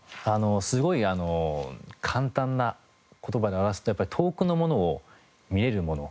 すごいあの簡単な言葉で表すと遠くのものを見れるもの。